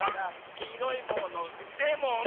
「きいろいものレモン！」